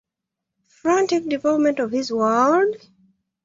Frantic development of his world!